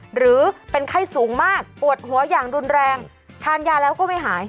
หรือเป็นไข้สูงมากปวดหัวอย่างรุนแรงทานยาแล้วก็ไม่หาย